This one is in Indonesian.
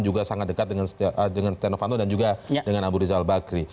juga sangat dekat dengan setia novanto dan juga dengan abu rizal bakri